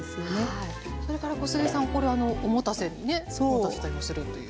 それから小菅さんこれお持たせにね持たせたりもするという。